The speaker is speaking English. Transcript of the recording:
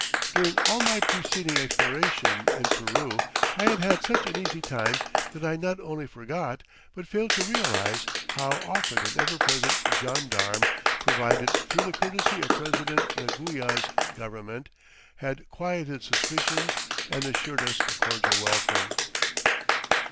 During all my preceding exploration in Peru I had had such an easy time that I not only forgot, but failed to realize, how often an ever present gendarme, provided through the courtesy of President Leguia's government, had quieted suspicions and assured us a cordial welcome.